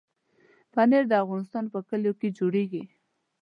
پنېر د افغانستان په کلیو کې جوړېږي.